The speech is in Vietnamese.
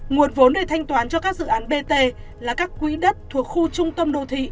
nguồn vốn để thanh toán cho các dự án bt là các quỹ đất thuộc khu trung tâm đô thị